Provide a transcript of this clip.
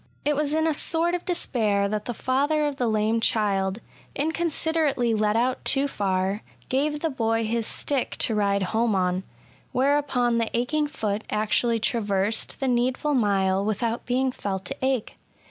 It was in a sort of despair that the father of the lame child, inconsiderately led out too far^ gave the boy his stick to ride home on ; whereupon the aching foot actually traversed the needful mile without being felt to ache.